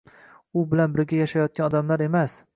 U bilan birga yashayotgan odamlar emas.